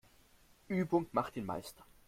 Übung macht den Meister.